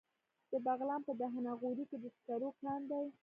د بغلان په دهنه غوري کې د سکرو کان دی.